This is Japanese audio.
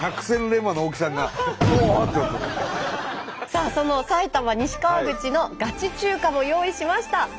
さあその埼玉西川口のガチ中華も用意しました。